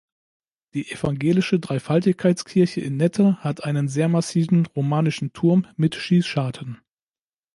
Die evangelische Dreifaltigkeitskirche in Nette hat einen sehr massiven romanischen Turm mit Schießscharten.